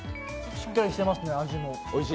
しっかりしてますね、味も。